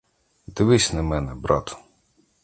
Дивись на мене, брат.